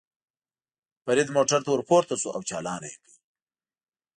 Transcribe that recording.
فرید موټر ته ور پورته شو او چالان یې کړ.